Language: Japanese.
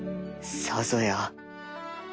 さぞや